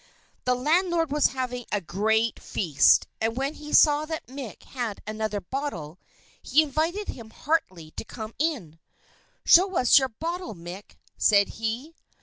The landlord was having a great feast, and when he saw that Mick had another bottle, he invited him heartily to come in. "Show us your bottle, Mick," said he.